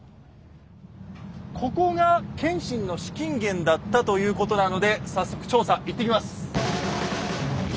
ここが謙信の資金源だったということなので早速調査行ってきます。